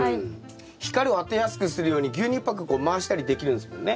光を当てやすくするように牛乳パックこう回したりできるんすもんね。